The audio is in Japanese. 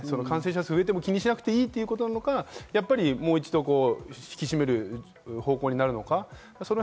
感染者数が増えても気にしなくていいのか、もう一度引き締める方向になるのか。